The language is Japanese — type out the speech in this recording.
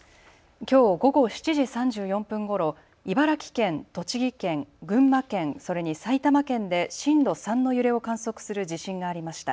きょう午後７時３４分ごろ茨城県、栃木県群馬県、それに埼玉県で震度３の揺れを観測する地震がありました。